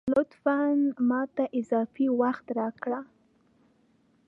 لطفاً ! ماته اضافي وخت راکه